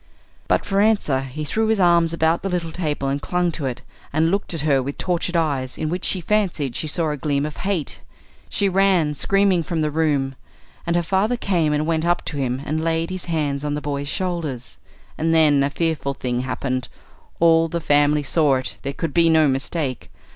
But for answer he threw his arms about the little table and clung to it, and looked at her with tortured eyes, in which she fancied she saw a gleam of hate. She ran, screaming, from the room, and her father came and went up to him and laid his hands on the boy's shoulders. And then a fearful thing happened. All the family saw it. There could be no mistake.